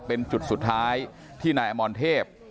เป็นจุดสุดท้ายที่แนธมณ์เทพ